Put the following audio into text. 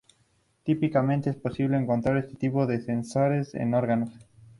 Típicamente es posible encontrar este tipo de sensores en órganos.